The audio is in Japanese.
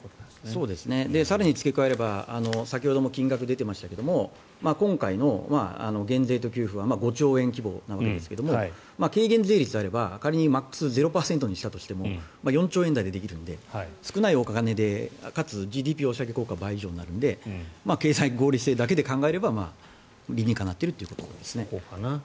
更に付け加えると先ほども金額が出ていましたが今回の減税と給付は５兆円規模なわけですが軽減税率であればマックス０％にしても４兆円台でできるので少ないお金でかつＧＤＰ押し上げ効果も倍以上になるので経済合理性だけで考えれば理にかなっているかなと。